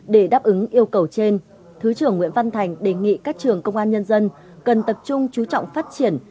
để đáp ứng yêu cầu trên thứ trưởng nguyễn văn thành đề nghị các trường công an nhân dân cần tập trung chú trọng phát triển